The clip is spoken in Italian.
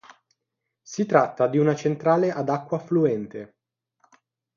Si tratta di una centrale ad acqua fluente.